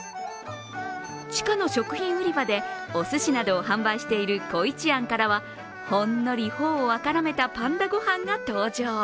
地下の食品売り場でおすしなどを販売している古市庵からはほんのり頬を赤らめたパンダごはんが登場。